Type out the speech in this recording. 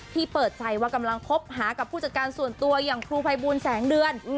เปิดใจว่ากำลังคบหากับผู้จัดการส่วนตัวอย่างครูภัยบูลแสงเดือน